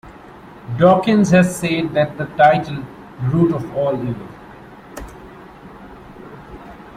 Dawkins has said that the title The Root of All Evil?